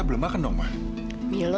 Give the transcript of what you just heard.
bahkan papa vin